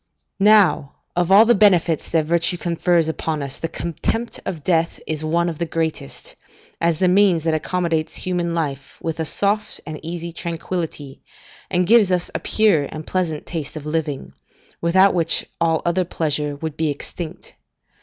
Now, of all the benefits that virtue confers upon us, the contempt of death is one of the greatest, as the means that accommodates human life with a soft and easy tranquillity, and gives us a pure and pleasant taste of living, without which all other pleasure would be extinct.